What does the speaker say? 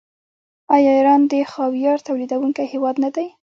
آیا ایران د خاویار تولیدونکی هیواد نه دی؟